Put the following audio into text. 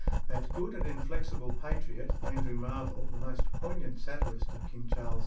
That good and inflexible patriot, Andrew Marvell, the most poignant satirist of King Charles II.